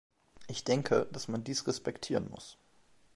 Ich denke, dass man dies respektieren muss.